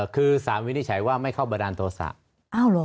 คือสารวินิจฉัยว่าไม่เข้าบันดาลโทสะอ้าวเหรอ